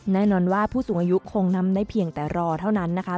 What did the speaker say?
แน่นอนว่าผู้สูงอายุคงนำได้เพียงแต่รอเท่านั้นนะคะ